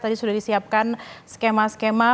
tadi sudah disiapkan skema skema